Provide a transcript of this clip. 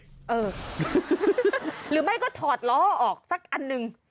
หรือไม่ก็ถอดล้อออกสักอันหนึ่ง